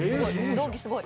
同期すごい。